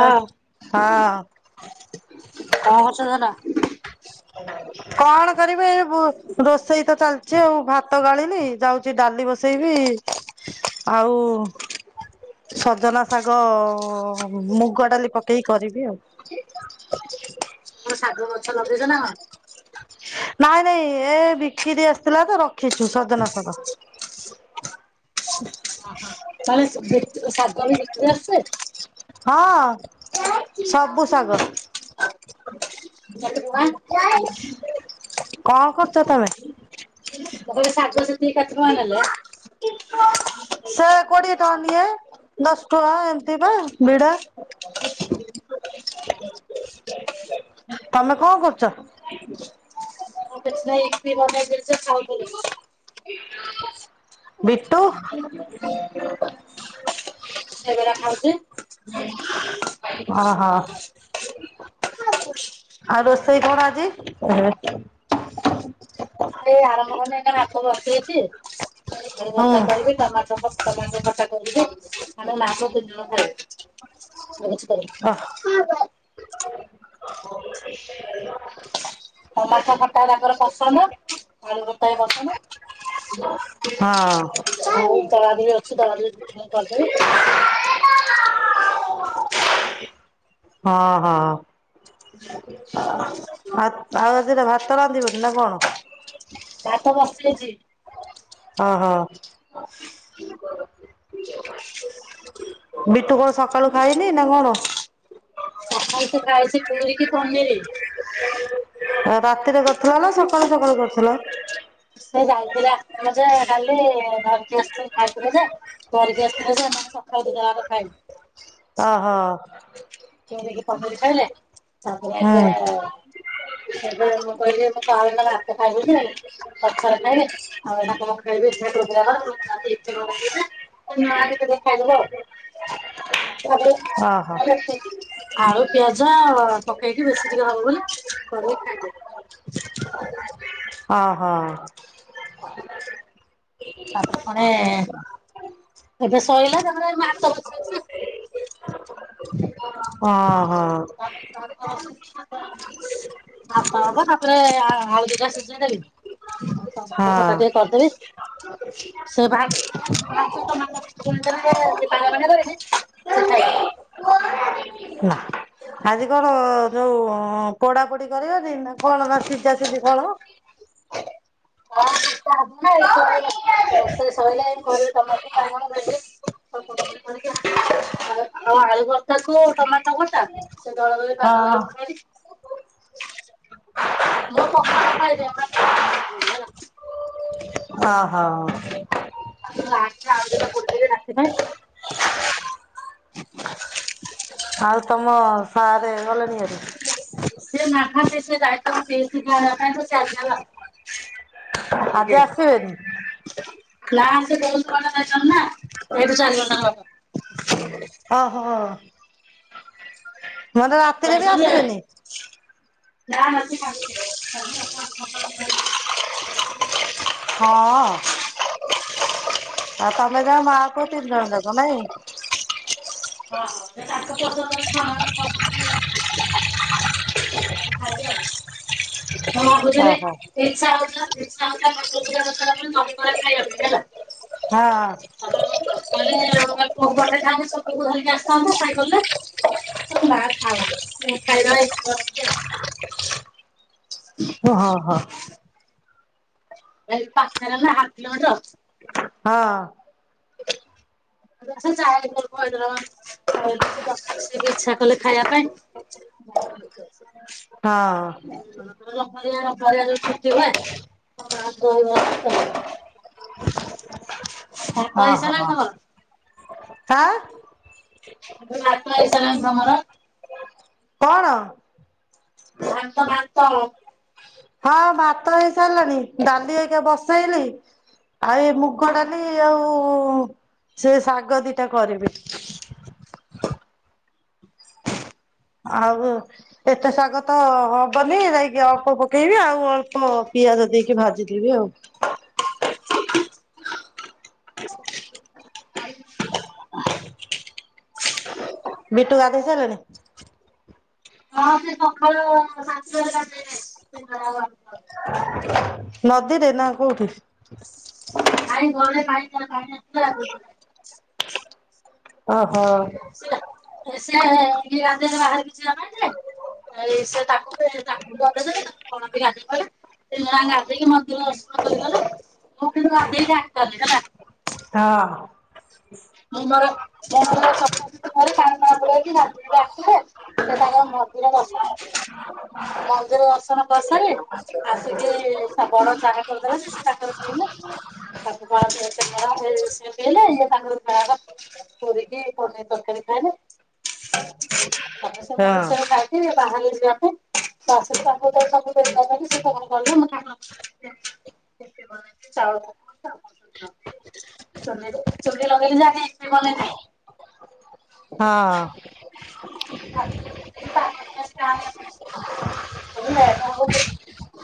ହଁ କଣ ହଁ କରୁଛ ଧନ? [inaudible] କଣ କରିବି ଏଇ ବୋ ସେଇ ତ ଚାଲିଛି ଆଉ ଗତ ଗାଳିି ଯାଉଛି ଡାଲି ବସେ ସେଇବି। ଆଉ ସଜନା ଶାଗ ମୁଗ ଡାଲି ପକେଇକି କରିବି ଆଉ ଆ ଗଛ ଲଗେଇଛ ନା? ନାଇଁ ନାଇଁ ଏ ବିକିରି ଆସିଥିଲା ତ ର ଖିଚୁ ସଧ ନ ସ ଓହୋ ତାହେ ଶାଗ ବି ବିକ୍ରି ଆସଛେ। ହଁ ସବୁ ଶାଗ। [inaudible] କେତେ ଟଙ୍କା? କଣ କରୁଛ ତମେ ସେ ମୁଁ କହିଲି ଶାଗ ସେତିକି କେତେ ଟଙ୍କା ନେଲେ? କୋଡିଏ ଟଙ୍କା। ଦଶ ଟୁଆ ଏମତି ବା ଭଡା ତମେ କଣ କରୁଛ। ନା ଏକ ଫି ବ ଦେ ଆଉ ବିଟୁ। ସେଗୁରା ଖାଉଛି। ହ ହଁ ହଁ ଆଉ ର ସେଇ କଣ ଆଜି। ବେଇ ଆରମ୍ଭ କଲେ, ଏ ମାପ ବସିଇ ଅଛି ହୁଁ ବର୍ଷା କରିବି ଟମାଟ ଟମାଟର କଟା କରିବି ଆମେ ମାପ ଦତିନି ଜଣ ଖାଇ କରିବ। ହ ହଁ ମାଠ ଖଟା ତାଙ୍କର ପସନ୍ଦ ଆଳୁ ଖଟା ବି ପସନ୍ଦ ହଁ ଆଉ ତଳାଦ ବି ଅଛି ତଦୁ ବି ମୁ କରିଦେବି। ହଁ ହଁ, ମାଉ ରାତି ଭାତ ରାନ୍ଧିବନି ନା କଣ? ଭାତ ବସିଛି। ହ ହଁ ବିଟୁ ସକାଳୁ ଖାଇନି ନା କଣ? ସକାଳ ତ ଖାଇଛି। ପୁରୀ କି ପନିରି। ଆ ରାତିରେ ଥିଲା ନା ସକାଳୁ ସକାଳୁ କରୁଥିଲ। ସେ ଯାଇଥିଲେ ଆସ ଯେ ଖାଲି ଧରିକି ଆସି ଖାଇଥିଲେ। ଯେ ଧରିକି ଆସିଥିଲେ ଯେ ସକାଳୁ ଯ ଖାଇ ହ ହୋ। ପ କହିଲେ ମୁଁ ହୁଁ କହିଲି ମୁଁ ଭାତ ଖାଇବ ପଛରେ ଖାଇବ ଆଉ ଖାଇବ ଖାଇଦବ ଆଉ ଓହୋ ଆ, ଆଳୁ ପିଆଜ। ପକେଇକି ବେଶୀ ଟିକି ହବ ବୋଲି କରିଇ ଖାଇଦବ। ଅ ହଁ। [unintelligible] ଏବେ ଶଇଲା ତାଙ୍କର ଏ ମାଛ ବସିଚି। [inaudible] ହଁ। ହଁ। ଭାତ ହବ ତାପରେ ଆଳୁ ଦୁଇଟା ସିଝେଇଦେବି। ଟମାଟୋ ଖଟା ଟିକେ ହଁ କରିଦେବି ସେ ଭା [unintelligible] ସେ ଖାଇଦବ। ନା। ଆଜି କଣ? ଯୋଉ ଅ ପୋଡ଼ା ପୋଡ଼ି ପୋଡ଼ି କରିବା ଟି ନା କଣ ବା ସିଝା ସିଝି କଣ? [unintelligible] ରୋଷେଇ ସଇଲା ଏଇ କଡ ରେ ଟମାଟୋ ବାଇଗଣ ଭେଣ୍ଡି ପୋଡ଼ାପୋଡ଼ି କରିକି ଆସିଲି ଆଉ ଆଳୁ ଭର୍ତା କୁ ଟମାଟୋ ଭର୍ତା ସେ ଦଳା ଦଳି ପାଗ କରି କି ମୁଁ ପଖାଳ ଖାଇବି। [unintelligible] [unintelligible] ଅ ହଁ। ଆଜି ଆଳୁ ଦି ଟା ପୋଡ଼ି ଦେବି ରାତି ପାଇଁ ଆଉ ତମ ସାରେ ଗଲେଣି ଭାରି । ସେ ନାହାନ୍ତି [unintelligible] ଆସିନାହାନ୍ତି। ଆଜି ଆସିବେନି। [unintelligible] ସେଇଠୁ ଚାରି ଘଣ୍ଟା। ଓ ହୋ। ମାନେ ରାତିରେ ବି ଯାଇଛନ୍ତି ଯେ ଆସିବେନି। ନା ନା ସେ କାଲି କାଲି ସକାଳୁ ସକାଳୁ ଧରିକି ଆଇଲି। ହଁ ଆଉ ତା [unintelligible] ମା ପୁଅ ତିନି ଜଣ ଯାକ ନାଇଁ। [inaudible] ହଁ ହଁ ତାଙ୍କ ପସନ୍ଦର ଛୁଆ ମାନଙ୍କ ପସନ୍ଦର ଖାଇବେ ଆଉ ମୁଁ ଭାବୁଥିଲି ଓହୋ ଇଚ୍ଛା ହଉଥିଲା ଇଚ୍ଛା ହଉଥିଲା ଠାକୁର ପୂଜା କରିସାରିଲା ପରେ ଦହିବରା ଖାଇବା ପାଇଁ ହେଲା ହଁ [unintelligible] ପୁଅ କୁ ପଠାଇଥାନ୍ତି ସୁବୁ କୁ ଧରିକି ଆସିଥାନ୍ତା ସାଇକେଲରେ, ନା ଥାଉ ଖାଇ ଦବା ଇଟଲି ଓ ହଁ ହଁ। ଏ ପାଖରେ ନା ହାଫ କିଲୋମିଟର। ହଁ। [unintelligible] କହି ଦେଇଛି [unintelligible] ଇଚ୍ଛା କଲେ ଖାଇବା ପାଇଁ ହଁ। [unintelligible] [unintelligible] ଛୁଟି ହୁଏ ଦହିବାର ଦହିବରା କଣ? ଖତ ହେଇସରିଲାନି ତମର ଆ [unintelligible] [unintelligible] ତମର କଣ? [unintelligible] ହଁ ଭାତ ହେଇସାରିଲାଣି ଡାଲି ଏଇନା ବସେଇଲି ଆଉ ଏ ମୁଗ ଡାଲି ଆଉ ସେ ଶାଗ ଦିଟା କରିବି। ଆଉ ଏତେ ଶାଗ ତ ହବନି ଯାଇକି ଅଳ୍ପ ପକେଇବି ଆଉ ଅଳ୍ପ ପିଆଜ ଦେଇକି ଭାଜିଦେବି ଆଉ [inaudible] [unintelligible] ବିଟୁ ଗାଧେଇ ସାରିଲାଣି ହଁ ସେ ସକାଳୁ ସାତଟାରୁ ଗାଧେଇକି ଆଇଚି [unintelligible] [unintelligible] ନଦୀରେ ନା କୋଉଠି? ଭାଇ ଘରେ ନାଇ [unintelligible] ଓହୋ। ସେ ଏ ଗାଧେଇଲେ ବାହ କିଛି ଜଥିଲେ ସେ ତାକୁ ତାକୁ ବି ଗଧେଇ ଦେଲେ ତା କଣ ବି ଗାଧେଇ କଲେ ସେ ଗାଧେଇକି ମନ୍ଦିର ଦର୍ଶନ କରିଗଲେ ମୋ କିନ୍ତୁ ଗାଧେଇକି କଲେ ହେଲା। ହଁ। ମୁଁ ମୋର ରେ ପାଣି ମା ବୁଳେଇକି ରାଧ ଆସିଲେ ସେ ତାଙ୍କର ମନ୍ଦିର ଦର୍ଶନ ମନ୍ଦିର ଦର୍ଶନ କରିସାରି ଆସିକି ବଡ ଚାହା କରିଦେଲେ ସେ ସେ ତାଙ୍କର ପିଇଲେ ତାକୁ ବ ହେଇ ପିଇଲେ ଇଏ ତାଙ୍କର ବା ପରିକି କନେଇ ତରକାରୀ ଖାଏନା। ତାପରେ ସେ ମୁଡି ସେଉ ଖାଇକି [unintelligible] ଯିବା ପାଇଁ [unintelligible] ଥିଲା ବୋଲି ଜାଣେ କି [unintelligible] ହଁ। [unintelligible] [unintelligible]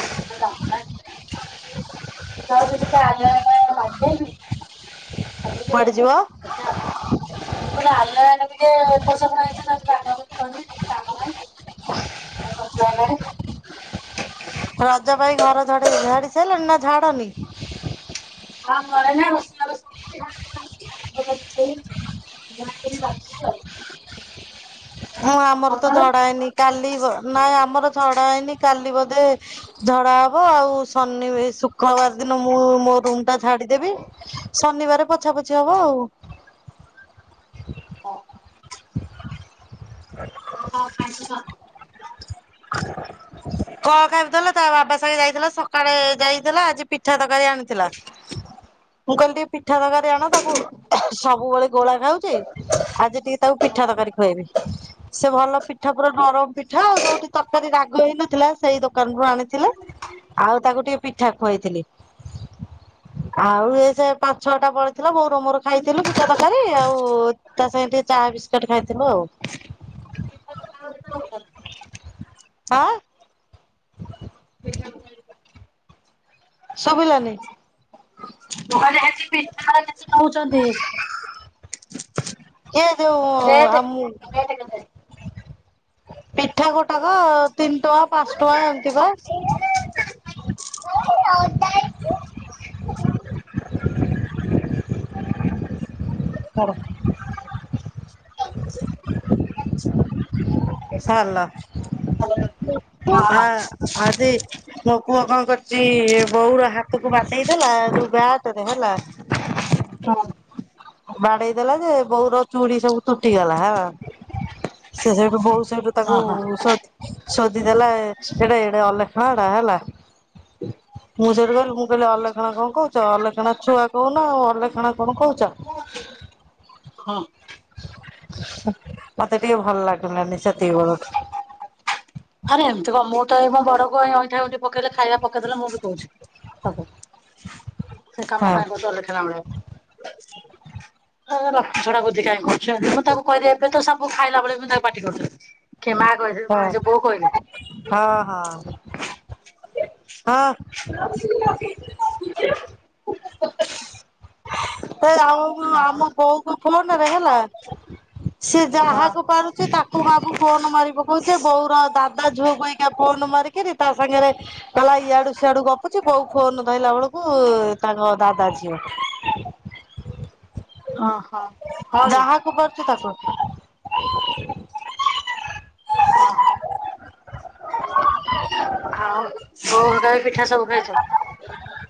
[unintelligible] [unintelligible] କୁଆଡେ ଯିବ? [unintelligible] ହେଟା [unintelligible] ରଜ ପାଇଁ ଘର ଝଡି ଝାଡି ସାରିଲଣି ନା ଝାଡନି ହଁ ଘରେ ନା ବସିଲ [unintelligible] ମୁଁ ଆମର ତ ଝଡା ହେଇନି କାଲି ନାଇଁ ଆମର ଝଡା ହେଇନି କାଲି ବ େ ଝଡା ହବ ଆଉ ଶନିବ ଶୁକ୍ରବାର ଦିନ ମୁଁ ମୋ ରୁମ୍ ଟା ଛାଡିଦେବି। ଶନିବାର ପୋଛା ପୋଛି ହବ ଆଉ। ହଁ ଓହୋ ଖାଇଛ। କଣ ଖାଇବଥିଲା ତା ବାବା ସାଙ୍ଗେ ଯାଇଥିଲା ସକାଳେ ଯାଇଥିଲା ଆଜି ପିଠା ତରକାରୀ ଆଣିଥିଲା ମୁଁ କହିଲି ଟିକେ ପିଠା ତରକାରୀ ଆଣ ତାକୁ ସବୁବେଳେ ଗୋଳା ଖାଉଛିେ ଆଜି ଟିକେ ତାକୁ ପିଠା ତରକାରୀ ଖୁଆଇବି ସେ ଭଲ ପିଠା ପର ନରମ ପିଠା ଆଉ ଯୋଉଠି ତରକାରୀ ରାଗ ହେଇନଥିଲା ସେଇ ଦୋକାନରୁୁ ଆଣିଥିଲେ ଆଉ ତାକୁ ଟିକେ ପିଠା ଖୁଆଇଥିଲି ଆଉ ଇ ସେ ପାଞ୍ଚ ଛଅଟା ପଳଥିଲ ମୋ ରୁମରୁ ଖାଇଥିଲୁ ପିଠା ତରକାରୀ ଆଉ ତା ସାଙ୍ଗ ଟିକେ ଚା ବିସ୍କୁଟ ଖାଇଥିଲୁ ଆଉ। [unintelligible] ଆଁ ଶୁବିଲାନି। [inaudible] ପଠା ନଉଛନ୍ତି, ଏ ଯୋଉ ରେଟ ଆମ କେତେ? ପିଠା ଗୋଟାକ ତିନି ଟଙ୍କା ପାଞ୍ଚ ଟଙ୍କା ଏମିତି ପା। [unintelligible] [unintelligible] [inaudible] ଭଲ ହଁ ଆ ଆଜି ମୋପୁଅ କଣ କରିଛି ବୋଉର ହାତକୁ ବାଟେଇ ଦେଲା ଯୋଉ ବ୍ୟାଟରେ ହେଲା ବାଡେଇ ଦେଲା ଯେ ବୋଉର ଚୁୁଡି ସବୁ ତୁଟିଗଲା ହେଲା ସେ ସେଇଠୁ ବୋଉ ସେଇଠୁ ତାକୁ ସୋ ଶୋଦିଦେଲା ଏଟା ଏଡେ ଅଲକ୍ଷଣାଟା ହେଲା ମୁଁ ସେଉଠୁ କହିଲି ମୁଁ କହିଲି ଅଲକ୍ଷଣା କଣ କହୁଛ ଅଲକ୍ଷଣା ଛୁଆ କହୁନ ଆଉ ଅଲକ୍ଷଣା କଣ କହୁଛ, [unintelligible] ହଁ ମତେ ଟିକେ ଭଲ ଲାଗିଲାନିି ସେତିକିବେଳଠୁ। ଆରେ ଏମିତି କଣ ମୁଁ ତ ଏଇ ମୋ ବଡ ପୁଅ ଅଇଁଠାଇଁଠି ପକେଇଲେ ଖାଇବା ପକେଇଦେଲେ ମୁଁ ବି କହୁଛି ସବୁ ସେ କାମ ହଁ କାଇ କତ ଲ ଖଲାଉଣ ହ ର ଲକ୍ଷ୍ମି ଛଡ଼ା ବୁଦ୍ଧି କାଇଁ ମୁଁ ତାକୁ କହିଦେ ଏବେ ତ ମୁଁ ଖାଇଲା ଭଳେ ତାକୁ ପାଟି କରୁଥିଲି। କେ ମା କ ହଁ ହଁ ହଁ। ହଁ [inaudible] ସେ ଆଉ ହଁ ଆମ ବହୁତ ଫୁଲଣରେ ହେଲା ସେ ହଁ ଯାହାକୁ ପାରୁଚି ତାକୁ ବାବୁ ଫୋନ୍ ମାରି ପକଉଚି ବୋଉର ଦା ତା ଝୁଅ ଭଇକା ଫୋନ୍ ମାରିକିରି ତା ସାଙ୍ଗରେ କହିଲା ଇଆଡୁ ସିଆଡୁ ଗପୁଚି, ବୋଉ ଫୋନ୍ ଧହିଲା ବେଳକୁ ତାଙ୍କ ଦାଦା ଝିଅ। ହଁ, ହୋ। ଯାହାକୁ ପାରୁଚି ତାକୁ [unintelligible] ହଁ, ହୋ ଆଉ ବୋଉ ହେକା ବି ପିଠା ସବୁ ଖାଇଛ?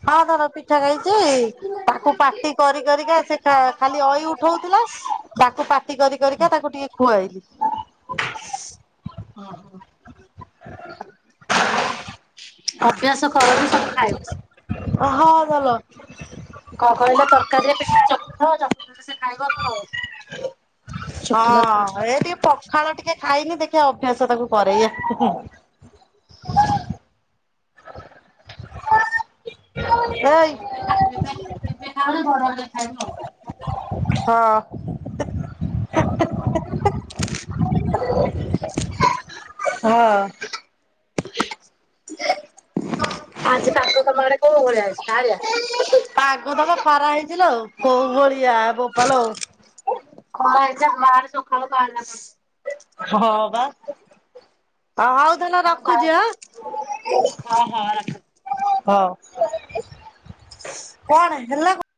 ହଁ ଧର ପିଠା ଖାଇଛି ତାକୁ ପାଟି କରି କରିକା ସେ ଖାଲି ଅଇ ଉଠଉଥିଲା ତାକୁ ପାଟି କରି କରିିକା ତାକୁ ଟିକେ ଖୁଆଇଲି। ଓ ହଁ ଅଭ୍ୟାସ କର ଯେ ସବୁ ଖାଇଛି। ଅ, ହଁ ଭଲ। କଣ କହିଲ ତରକାରୀରେ ପିସ୍ ଚଖ [inaudible] ତେବେ ସେ ଖାଇବା କଣ? ଶୁଖିଲା [inaudible] ହଁ ଏ ଟିକେ ପଖାଳ ଟିକେ ଖାଇନି ଦେଖିବା ଅଭ୍ୟାସ ତାକୁ କରେଇବା। [inaudible] [inaudible] ଏବେ ଖାଉନି ବଡ ହେଲେ ଖାଇବ। ହଁ। ହଁ। ଆଜି ପାଗ ତୋମ ଘରେ କୋଉ ଭଳିଆ କାଁଳିଆ? [unintelligible] ଖରା ହେଇଚି ଲୋ କୋଉ ଭଳି ଇୟା ବୋପାଲୋ ଚେ ବାହାରେ ସୁଖଉ ନ ନାହାନ୍ତି। ହଁ ବା। ଅ ହଉ ତାହାଲେ ରଖୁଚି ଆ। ହଁ ହଁ ରଖ। କଣ ହେଲା କ